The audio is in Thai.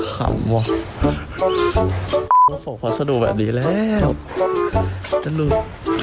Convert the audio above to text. ขำวะส่งพัสดุแบบนี้แล้วจะลุย